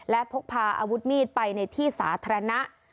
และพกพาอาวุธมีดไปในที่สาธารณะ